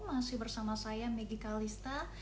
masih bersama saya megi kalista